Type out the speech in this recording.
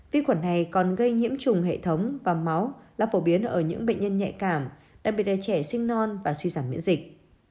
vi khuẩn này còn gây nhiễm trùng hệ thống và máu là phổ biến ở những bệnh nhân nhạy cảm đặc biệt là trẻ sinh non và suy giảm miễn dịch